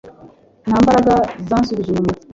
Nta mbaraga zansubije inyuma